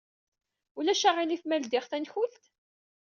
Ulac aɣilif ma ledyeɣ tankult?